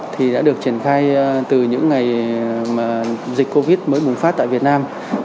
thì đã được triển khai từ những ngày dịch covid mới bùng phát tại việt nam